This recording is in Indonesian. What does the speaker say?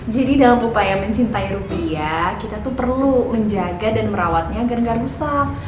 jadi dalam upaya mencintai rupiah kita tuh perlu menjaga dan merawatnya agar gak rusak